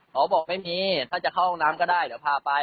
เขาบอกไม่มีถ้าจะเข้าห้องน้ำก็ได้เดี๋ยวพาไป